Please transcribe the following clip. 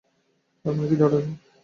তার মানে কী দাঁড়ালো?